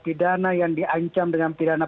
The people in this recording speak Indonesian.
pidana yang di ancam dengan pidana